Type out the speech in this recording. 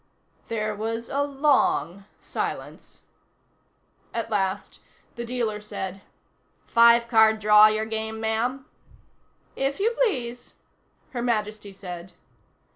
There was a long silence. At last, the dealer said: "Five card draw your game, ma'am?" "If you please," Her Majesty said.